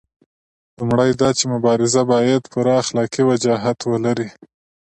لومړی دا چې مبارزه باید پوره اخلاقي وجاهت ولري.